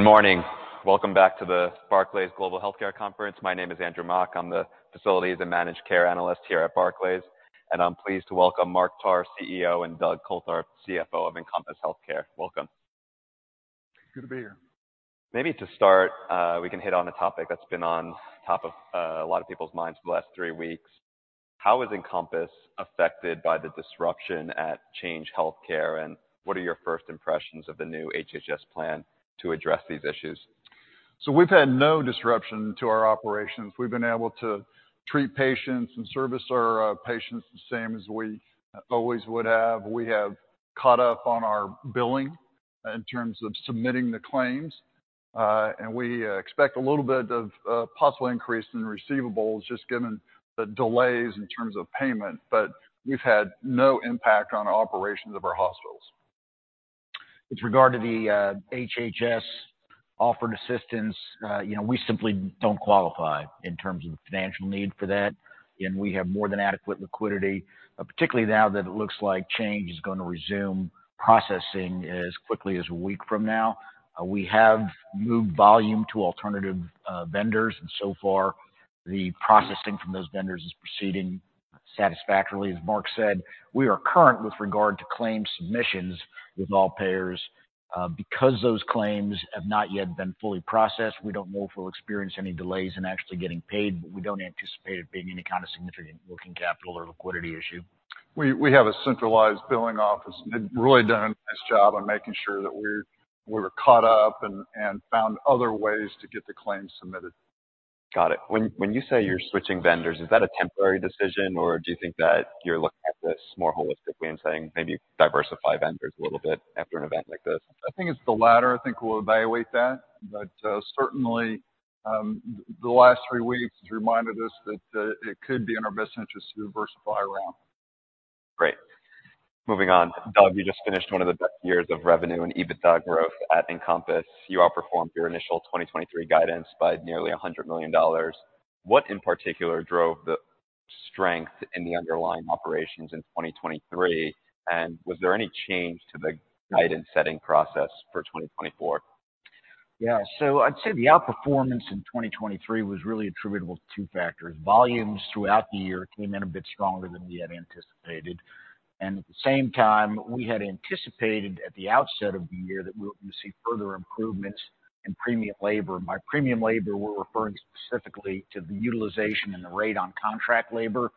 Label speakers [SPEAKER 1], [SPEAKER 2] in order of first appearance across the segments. [SPEAKER 1] Good morning. Welcome back to the Barclays Global Healthcare Conference. My name is Andrew Mok. I'm the Facilities and Managed Care Analyst here at Barclays. I'm pleased to welcome Mark Tarr, CEO, and Doug Coltharp, CFO of Encompass Health. Welcome.
[SPEAKER 2] Good to be here.
[SPEAKER 1] Maybe to start we can hit on a topic that's been on top of a lot of people's minds for the last three weeks. How is Encompass affected by the disruption at Change Healthcare and what are your first impressions of the new HHS plan to address these issues?
[SPEAKER 2] So we've had no disruption to our operations. We've been able to treat patients and service our patients the same as we always would have. We have caught up on our billing in terms of submitting the claims. And we expect a little bit of possible increase in receivables just given the delays in terms of payment. But we've had no impact on operations of our hospitals.
[SPEAKER 3] With regard to the HHS offered assistance, you know, we simply don't qualify in terms of the financial need for that. And we have more than adequate liquidity, particularly now that it looks like Change is gonna resume processing as quickly as a week from now. We have moved volume to alternative vendors, and so far the processing from those vendors is proceeding satisfactorily. As Mark said, we are current with regard to claim submissions with all payers. Because those claims have not yet been fully processed, we don't know if we'll experience any delays in actually getting paid. But we don't anticipate it being any kind of significant working capital or liquidity issue.
[SPEAKER 2] We have a centralized billing office. They've really done a nice job on making sure that we were caught up and found other ways to get the claims submitted.
[SPEAKER 1] Got it. When when you say you're switching vendors is that a temporary decision or do you think that you're looking at this more holistically and saying maybe diversify vendors a little bit after an event like this?
[SPEAKER 2] I think it's the latter. I think we'll evaluate that. But certainly the last three weeks has reminded us that it could be in our best interest to diversify around.
[SPEAKER 1] Great. Moving on. Doug, you just finished one of the best years of revenue and EBITDA growth at Encompass. You outperformed your initial 2023 guidance by nearly $100 million. What in particular drove the strength in the underlying operations in 2023? And was there any change to the guidance-setting process for 2024?
[SPEAKER 3] Yeah. So I'd say the outperformance in 2023 was really attributable to two factors. Volumes throughout the year came in a bit stronger than we had anticipated. At the same time we had anticipated at the outset of the year that we would be seeing further improvements in premium labor. By premium labor we're referring specifically to the utilization and the rate on contract labor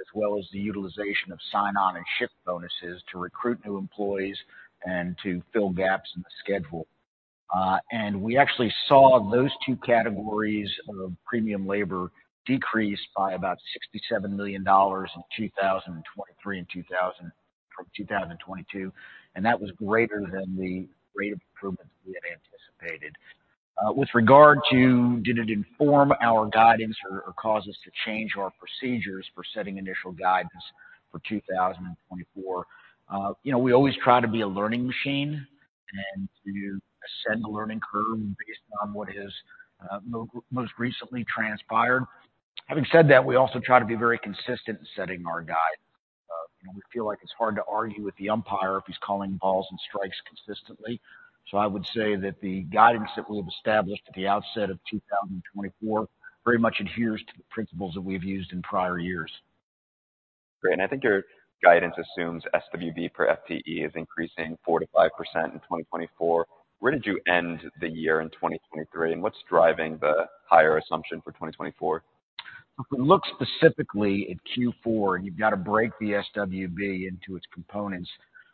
[SPEAKER 3] as well as the utilization of sign-on and shift bonuses to recruit new employees and to fill gaps in the schedule. We actually saw those two categories of premium labor decrease by about $67 million in 2023 from 2022. That was greater than the rate of improvement that we had anticipated. With regard to, did it inform our guidance or cause us to change our procedures for setting initial guidance for 2024? You know, we always try to be a learning machine and to ascend the learning curve based on what has most recently transpired. Having said that, we also try to be very consistent in setting our guidance. You know, we feel like it's hard to argue with the umpire if he's calling balls and strikes consistently. So, I would say that the guidance that we have established at the outset of 2024 very much adheres to the principles that we've used in prior years.
[SPEAKER 1] Great. And I think your guidance assumes SWB per FTE is increasing 4%-5% in 2024. Where did you end the year in 2023? And what's driving the higher assumption for 2024?
[SPEAKER 3] If we look specifically at Q4 and you've gotta break the SWB into its components,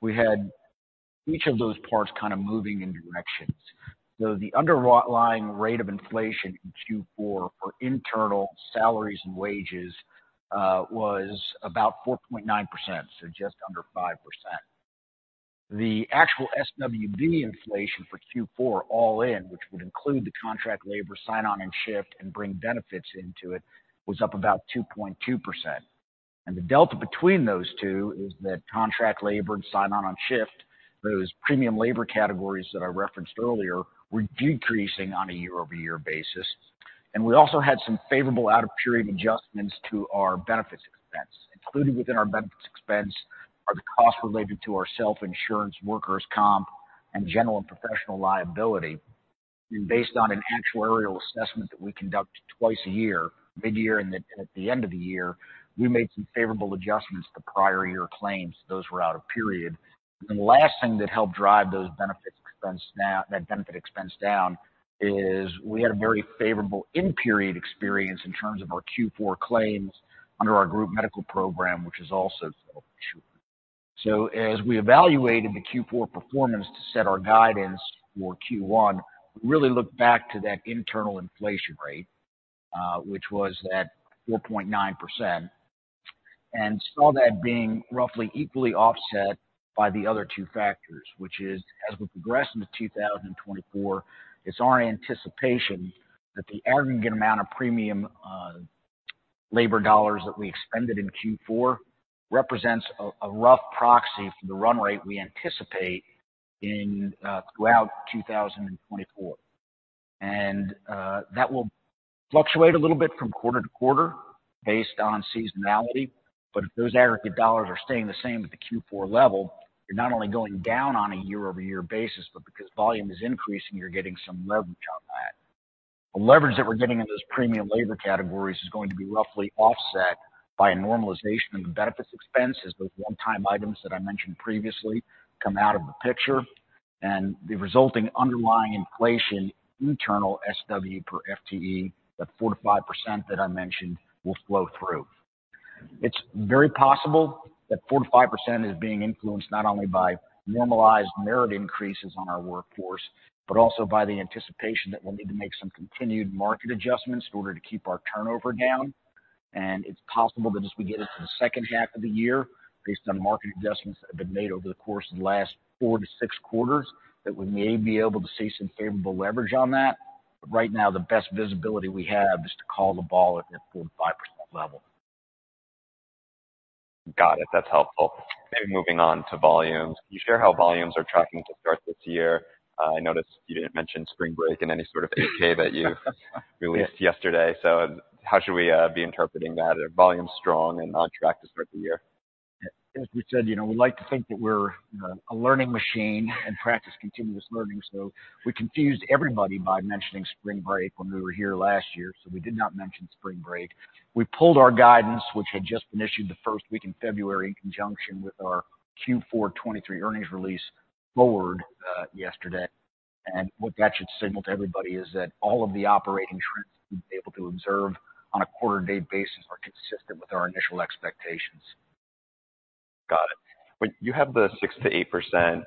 [SPEAKER 3] we had each of those parts kinda moving in directions. So the underlying rate of inflation in Q4 for internal salaries and wages was about 4.9%. So just under 5%. The actual SWB inflation for Q4 all-in, which would include the contract labor, sign-on and shift, and bring benefits into it, was up about 2.2%. And the delta between those two is that contract labor and sign-on, on-shift, those premium labor categories that I referenced earlier were decreasing on a year-over-year basis. And we also had some favorable out-of-period adjustments to our benefits expense. Included within our benefits expense are the costs related to our self-insurance, workers' comp, and general and professional liability. And based on an actuarial assessment that we conduct twice a year, mid-year and at the end of the year, we made some favorable adjustments to prior year claims. Those were out of period. And then the last thing that helped drive those benefits expense down is we had a very favorable in-period experience in terms of our Q4 claims under our group medical program, which is also self-insurance. So as we evaluated the Q4 performance to set our guidance for Q1, we really looked back to that internal inflation rate, which was at 4.9%. And saw that being roughly equally offset by the other two factors, which is as we progress into 2024, it's our anticipation that the aggregate amount of premium labor dollars that we expended in Q4 represents a rough proxy for the run rate we anticipate in throughout 2024. And that will fluctuate a little bit from quarter to quarter based on seasonality. But if those aggregate dollars are staying the same at the Q4 level, you're not only going down on a year-over-year basis but because volume is increasing you're getting some leverage on that. The leverage that we're getting in those premium labor categories is going to be roughly offset by a normalization of the benefits expense as those one-time items that I mentioned previously come out of the picture. And the resulting underlying inflation internal SW per FTE that 4%-5% that I mentioned will flow through. It's very possible that 4%-5% is being influenced not only by normalized merit increases on our workforce but also by the anticipation that we'll need to make some continued market adjustments in order to keep our turnover down. And it's possible that as we get into the second half of the year based on market adjustments that have been made over the course of the last 4-6 quarters that we may be able to see some favorable leverage on that. But right now the best visibility we have is to call the ball at that 4%-5% level.
[SPEAKER 1] Got it. That's helpful. Maybe moving on to volumes. Can you share how volumes are tracking to start this year? I noticed you didn't mention spring break and any sort of 8-K that you released yesterday. So how should we be interpreting that? Are volumes strong and on track to start the year?
[SPEAKER 3] As we said, you know, we'd like to think that we're a learning machine and practice continuous learning. So we confused everybody by mentioning spring break when we were here last year. So we did not mention spring break. We pulled our guidance, which had just been issued the first week in February in conjunction with our Q4 2023 earnings release, forward yesterday. And what that should signal to everybody is that all of the operating trends we've been able to observe on a quarter-to-date basis are consistent with our initial expectations.
[SPEAKER 1] Got it. When you have the 6%-8%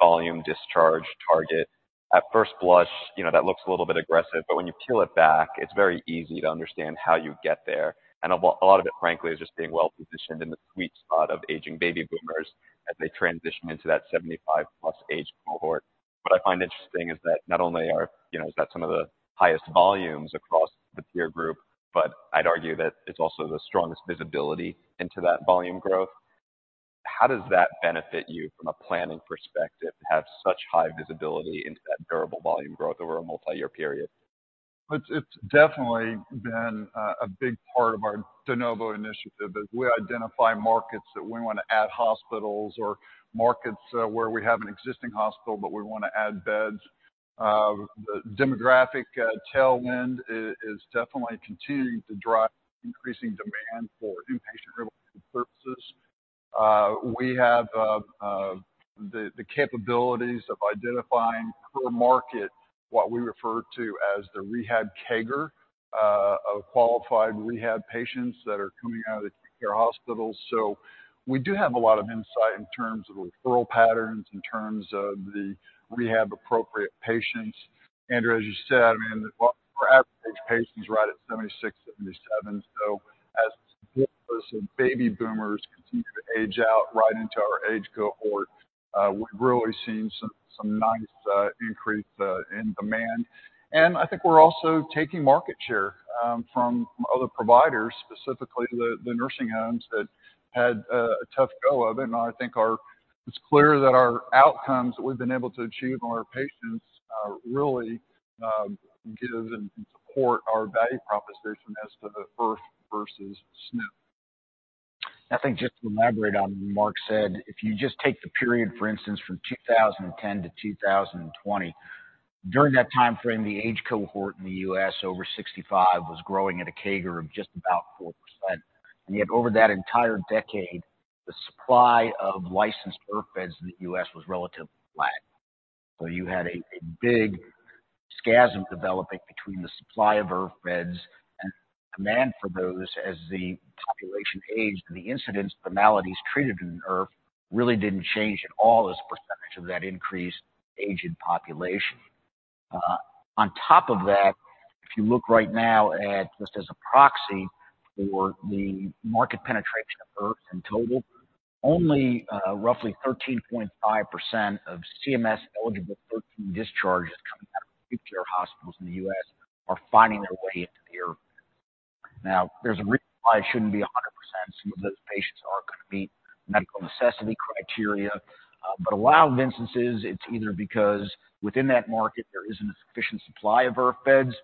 [SPEAKER 1] volume discharge target at first blush you know that looks a little bit aggressive. But when you peel it back it's very easy to understand how you get there. And a lot of it frankly is just being well-positioned in the sweet spot of aging baby boomers as they transition into that 75+ age cohort. What I find interesting is that not only is that, you know, some of the highest volumes across the peer group but I'd argue that it's also the strongest visibility into that volume growth. How does that benefit you from a planning perspective to have such high visibility into that durable volume growth over a multi-year period?
[SPEAKER 2] It's definitely been a big part of our de novo initiative as we identify markets that we wanna add hospitals or markets where we have an existing hospital but we wanna add beds. The demographic tailwind is definitely continuing to drive increasing demand for inpatient rehabilitation services. We have the capabilities of identifying per market what we refer to as the rehab CAGR of qualified rehab patients that are coming out of the hospitals. So we do have a lot of insight in terms of referral patterns in terms of the rehab-appropriate patients. Andrew, as you said, I mean our average age patient is right at 76-77. So as the support of those baby boomers continue to age out right into our age cohort we've really seen some nice increase in demand. I think we're also taking market share from other providers, specifically the nursing homes that had a tough go of it. I think it's clear that our outcomes that we've been able to achieve on our patients really give and support our value proposition as to the IRF versus SNF.
[SPEAKER 3] I think just to elaborate on what Mark said, if you just take the period, for instance, from 2010-2020, during that time frame the age cohort in the U.S. over 65 was growing at a CAGR of just about 4%. And yet over that entire decade the supply of licensed IRF beds in the U.S. was relatively flat. So you had a big chasm developing between the supply of IRF beds and demand for those as the population aged and the incidence of disabilities treated in IRF really didn't change at all as a percentage of that increased aging population. On top of that, if you look right now at just as a proxy for the market penetration of IRFs in total, only roughly 13.5% of CMS-eligible discharges coming out of acute-care hospitals in the U.S. are finding their way into the IRF beds. Now there's a reason why it shouldn't be 100%. Some of those patients are gonna meet medical necessity criteria. But in a lot of instances it's either because within that market there isn't a sufficient supply of IRF beds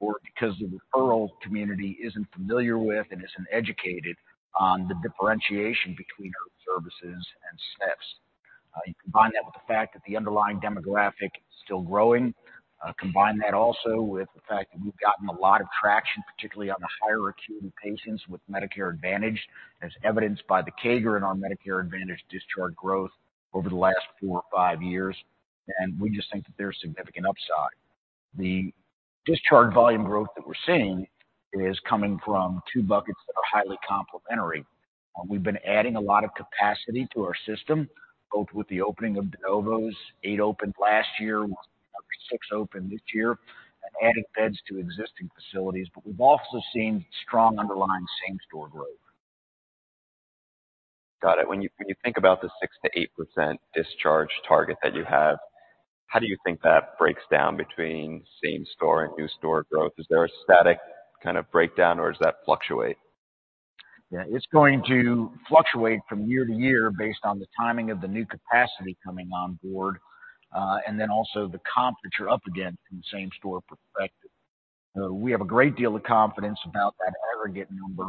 [SPEAKER 3] or because the referral community isn't familiar with and isn't educated on the differentiation between IRF services and SNFs. You combine that with the fact that the underlying demographic is still growing. Combine that also with the fact that we've gotten a lot of traction particularly on the higher acuity patients with Medicare Advantage as evidenced by the CAGR and our Medicare Advantage discharge growth over the last four or five years. And we just think that there's significant upside. The discharge volume growth that we're seeing is coming from two buckets that are highly complementary. We've been adding a lot of capacity to our system both with the opening of de novos. 8 opened last year with another 6 opened this year. And adding beds to existing facilities. But we've also seen strong underlying same-store growth.
[SPEAKER 1] Got it. When you think about the 6%-8% discharge target that you have, how do you think that breaks down between same-store and new-store growth? Is there a static kind of breakdown or does that fluctuate?
[SPEAKER 3] Yeah. It's going to fluctuate from year to year based on the timing of the new capacity coming on board. And then also the comp that you're up against in the same-store perspective. We have a great deal of confidence about that aggregate number.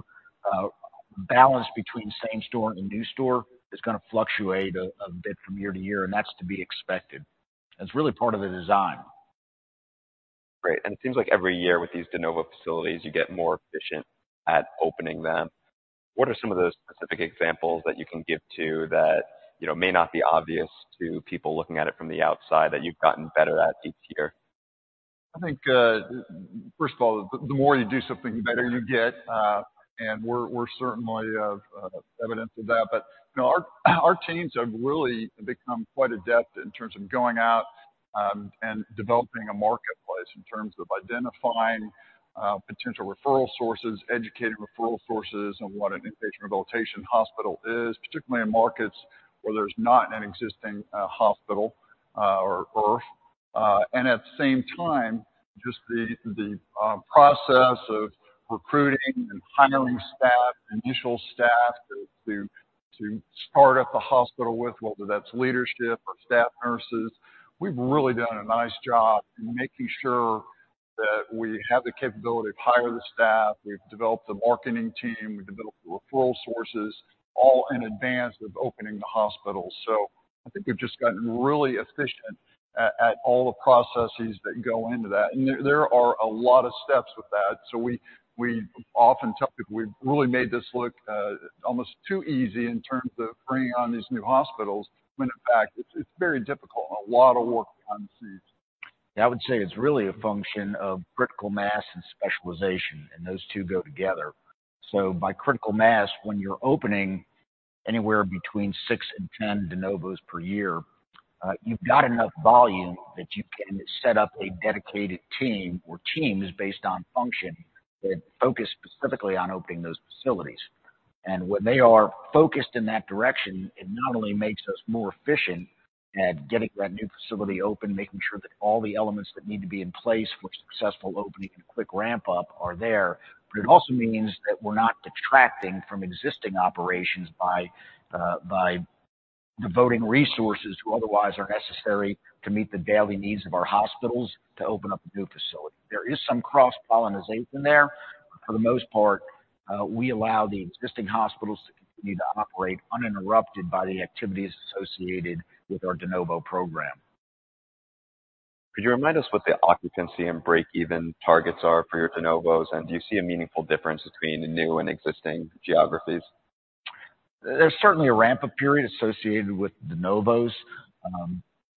[SPEAKER 3] Balance between same-store and new-store is gonna fluctuate a bit from year to year. And that's to be expected. That's really part of the design.
[SPEAKER 1] Great. It seems like every year with these de novo facilities you get more efficient at opening them. What are some of those specific examples that you can give to that you know may not be obvious to people looking at it from the outside that you've gotten better at each year?
[SPEAKER 2] I think first of all the more you do something the better you get. We're certainly evidence of that. But you know our teams have really become quite adept in terms of going out and developing a marketplace in terms of identifying potential referral sources, educating referral sources on what an inpatient rehabilitation hospital is, particularly in markets where there's not an existing hospital or IRF. At the same time just the process of recruiting and hiring initial staff to start up the hospital with whether that's leadership or staff nurses. We've really done a nice job in making sure that we have the capability to hire the staff. We've developed a marketing team. We've developed the referral sources all in advance of opening the hospital. So I think we've just gotten really efficient at all the processes that go into that. And there are a lot of steps with that. So we often tell people we've really made this look almost too easy in terms of bringing on these new hospitals when in fact it's very difficult and a lot of work behind the scenes.
[SPEAKER 3] Yeah. I would say it's really a function of critical mass and specialization. And those two go together. So by critical mass when you're opening anywhere between 6 and 10 de novos per year you've got enough volume that you can set up a dedicated team or teams based on function that focus specifically on opening those facilities. And when they are focused in that direction it not only makes us more efficient at getting that new facility open making sure that all the elements that need to be in place for successful opening and quick ramp-up are there. But it also means that we're not detracting from existing operations by devoting resources who otherwise are necessary to meet the daily needs of our hospitals to open up a new facility. There is some cross-pollination there. But for the most part we allow the existing hospitals to continue to operate uninterrupted by the activities associated with our de novo program.
[SPEAKER 1] Could you remind us what the occupancy and break-even targets are for your de novos? Do you see a meaningful difference between new and existing geographies?
[SPEAKER 3] There's certainly a ramp-up period associated with de novos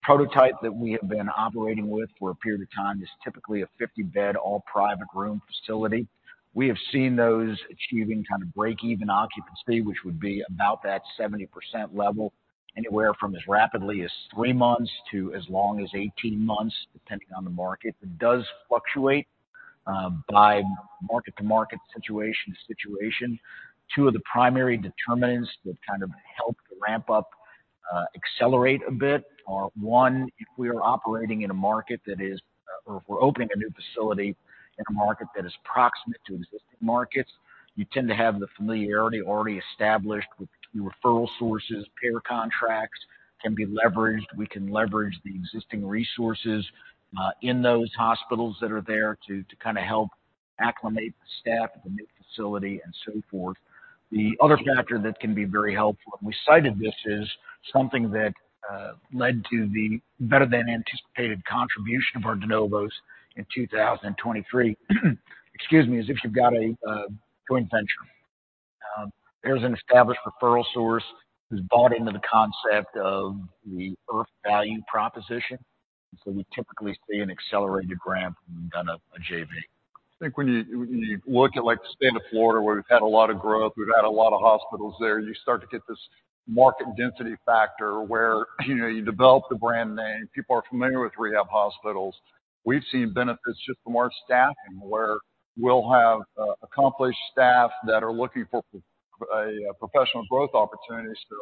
[SPEAKER 3] prototype that we have been operating with for a period of time is typically a 50-bed all-private room facility. We have seen those achieving kind of break-even occupancy which would be about that 70% level anywhere from as rapidly as 3 months to as long as 18 months depending on the market. It does fluctuate by market-to-market situation to situation. Two of the primary determinants that kind of help the ramp-up accelerate a bit are one if we are operating in a market that is or if we're opening a new facility in a market that is proximate to existing markets you tend to have the familiarity already established with the referral sources prior contracts can be leveraged. We can leverage the existing resources in those hospitals that are there to kinda help acclimate the staff at the new facility and so forth. The other factor that can be very helpful and we cited this is something that led to the better-than-anticipated contribution of our de novos in 2023, excuse me, as if you've got a joint venture, there's an established referral source who's bought into the concept of the IRF value proposition. And so we typically see an accelerated ramp when we've done a JV.
[SPEAKER 2] I think when you look at like the state of Florida where we've had a lot of growth we've had a lot of hospitals there you start to get this market density factor where you know you develop the brand name people are familiar with rehab hospitals. We've seen benefits just from our staffing where we'll have accomplished staff that are looking for professional growth opportunities. So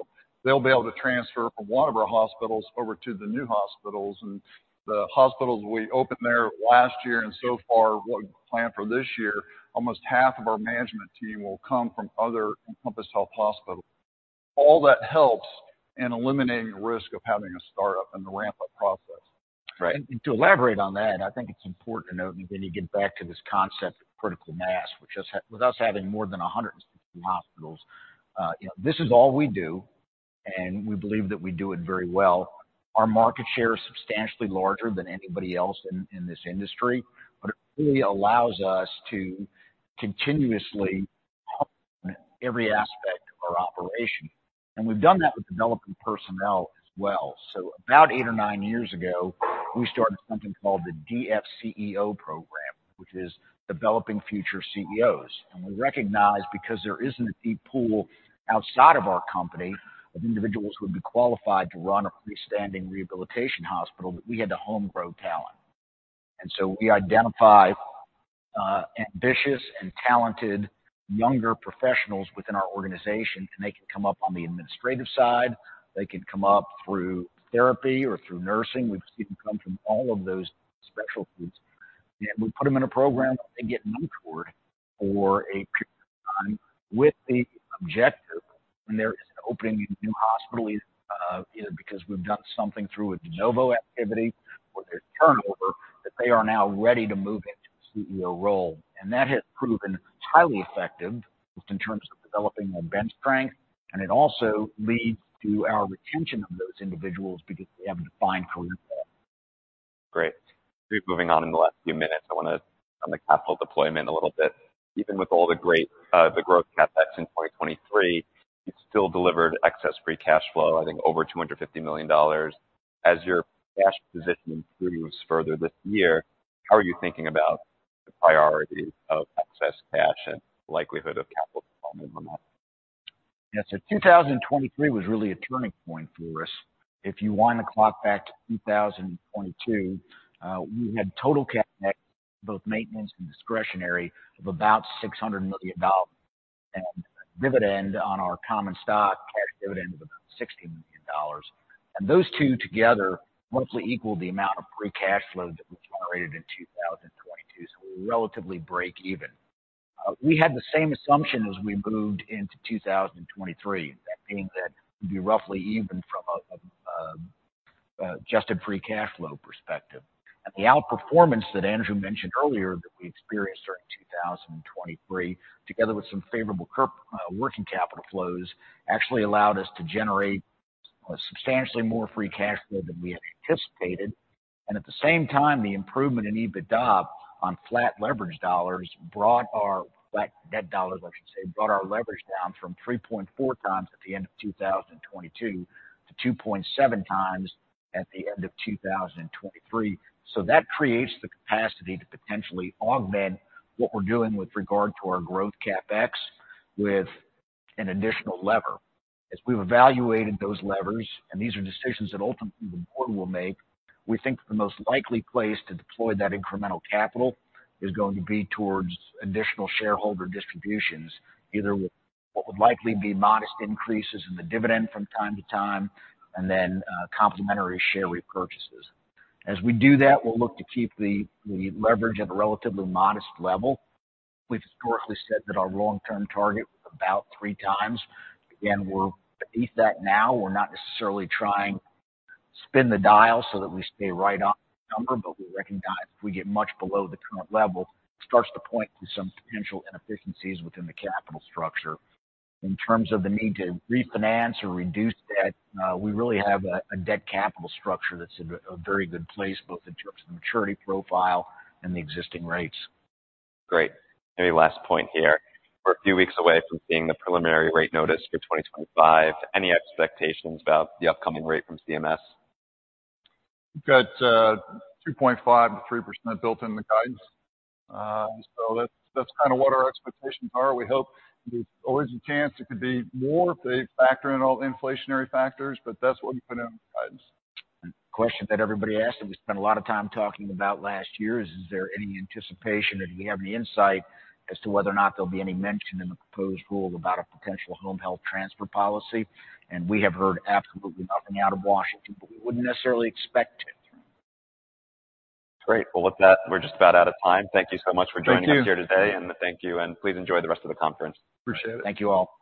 [SPEAKER 2] they'll be able to transfer from one of our hospitals over to the new hospitals. And the hospitals we opened there last year and so far what we plan for this year almost half of our management team will come from other Encompass Health hospitals. All that helps in eliminating the risk of having a start-up in the ramp-up process.
[SPEAKER 3] Right. And to elaborate on that, I think it's important to note, and again you get back to this concept of critical mass, which, with us having more than 160 hospitals, you know, this is all we do. And we believe that we do it very well. Our market share is substantially larger than anybody else in this industry. But it really allows us to continuously hone every aspect of our operation. And we've done that with developing personnel as well. So about eight or nine years ago we started something called the DFCEO program, which is developing future CEOs. And we recognize because there isn't a deep pool outside of our company of individuals who would be qualified to run a freestanding rehabilitation hospital that we had to home-grow talent. And so we identify ambitious and talented younger professionals within our organization. And they can come up on the administrative side. They can come up through therapy or through nursing. We've seen them come from all of those specialties. And we put them in a program where they get mentored for a period of time with the objective when there is an opening in a new hospital either because we've done something through a de novo activity or there's turnover that they are now ready to move into a CEO role. And that has proven highly effective just in terms of developing their bench strength. And it also leads to our retention of those individuals because they have a defined career path.
[SPEAKER 1] Great. We're moving on in the last few minutes. I wanna on the capital deployment a little bit. Even with all the great the growth CapEx in 2023 you still delivered excess free cash flow I think over $250 million. As your cash position improves further this year how are you thinking about the priorities of excess cash and likelihood of capital deployment on that?
[SPEAKER 3] Yeah. So 2023 was really a turning point for us. If you wind the clock back to 2022 we had total CapEx both maintenance and discretionary of about $600 million. And dividend on our common stock cash dividend was about $60 million. And those two together roughly equaled the amount of free cash flow that was generated in 2022. So we were relatively break-even. We had the same assumption as we moved into 2023 that being that we'd be roughly even from a adjusted free cash flow perspective. And the outperformance that Andrew mentioned earlier that we experienced during 2023 together with some favorable current working capital flows actually allowed us to generate substantially more free cash flow than we had anticipated. At the same time, the improvement in EBITDA on flat leveraged dollars brought our flat net dollars I should say brought our leverage down from 3.4x at the end of 2022 to 2.7x at the end of 2023. So that creates the capacity to potentially augment what we're doing with regard to our growth CapEx with an additional lever. As we've evaluated those levers and these are decisions that ultimately the board will make, we think that the most likely place to deploy that incremental capital is going to be towards additional shareholder distributions either with what would likely be modest increases in the dividend from time to time and then complementary share repurchases. As we do that, we'll look to keep the leverage at a relatively modest level. We've historically said that our long-term target was about 3x. Again we're beneath that now. We're not necessarily trying to spin the dial so that we stay right on the number. But we recognize if we get much below the current level it starts to point to some potential inefficiencies within the capital structure. In terms of the need to refinance or reduce debt we really have a debt capital structure that's in a very good place both in terms of the maturity profile and the existing rates.
[SPEAKER 1] Great. Maybe last point here. We're a few weeks away from seeing the preliminary rate notice for 2025. Any expectations about the upcoming rate from CMS?
[SPEAKER 2] We've got 2.5%-3% built in the guidance. So that's that's kinda what our expectations are. We hope there's always a chance it could be more if they factor in all the inflationary factors. But that's what we put in the guidance.
[SPEAKER 3] Question that everybody asked that we spent a lot of time talking about last year is, is there any anticipation or do we have any insight as to whether or not there'll be any mention in the proposed rule about a potential home health transfer policy? We have heard absolutely nothing out of Washington. We wouldn't necessarily expect it.
[SPEAKER 1] Great. Well with that we're just about out of time. Thank you so much for joining us.
[SPEAKER 3] Thank you.
[SPEAKER 1] Here today. Thank you and please enjoy the rest of the conference.
[SPEAKER 2] Appreciate it.
[SPEAKER 3] Thank you all.